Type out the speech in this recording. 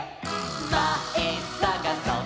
「まえさがそっ！